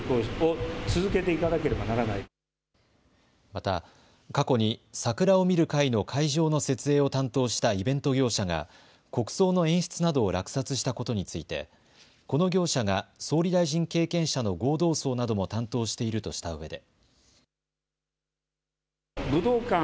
また過去に桜を見る会の会場の設営を担当したイベント業者が国葬の演出などを落札したことについてこの業者が総理大臣経験者の合同葬なども担当しているとしたうえで。